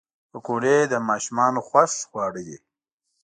پکورې د ماشومانو خوښ خواړه دي